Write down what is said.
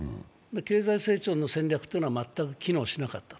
経済成長の戦略というのは全く機能しなかった。